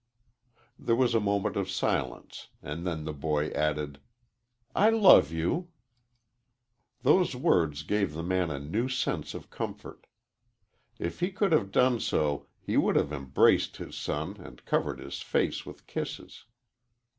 There was a moment of silence, and then the boy added, "I love you." Those words gave the man a new sense of comfort. If he could have done so he would have embraced his son and covered his face with kisses.